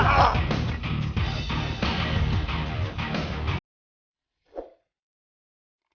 mereka bisa berdua